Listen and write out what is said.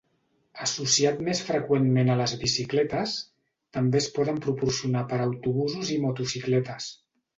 Associat més freqüentment a les bicicletes, també es poden proporcionar per a autobusos i motocicletes.